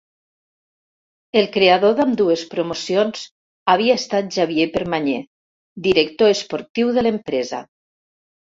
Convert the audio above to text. El creador d'ambdues promocions havia estat Xavier Permanyer, director esportiu de l'empresa.